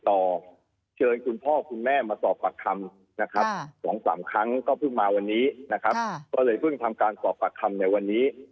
ก็เลยเพิ่มทำการสอบประคำในวันนี้